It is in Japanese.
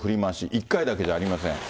１回だけじゃありません。